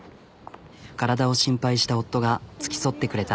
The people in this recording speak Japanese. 体を心配した夫が付き添ってくれた。